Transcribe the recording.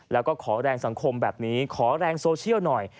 แล้วก็ขอแรงสังคมแบบนี้ขอแรงโซเชียลหน่อย